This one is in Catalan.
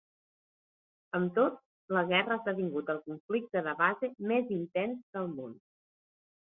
Amb tot, la guerra ha esdevingut el conflicte de base més intens del món.